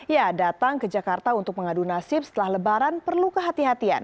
ya datang ke jakarta untuk mengadu nasib setelah lebaran perlu kehatian